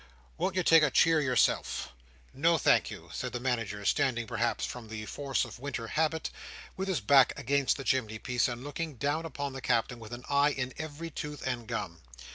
Won't you take a cheer yourself?" "No thank you," said the Manager, standing, perhaps from the force of winter habit, with his back against the chimney piece, and looking down upon the Captain with an eye in every tooth and gum.